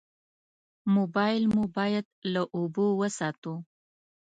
موبایل مو باید له اوبو وساتو.